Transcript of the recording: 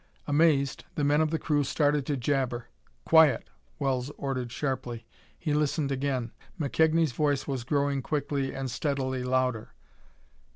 Amazed, the men of the crew started to jabber. "Quiet!" Wells ordered sharply. He listened again. McKegnie's voice was growing quickly and steadily louder.